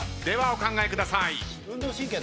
ではお考えください。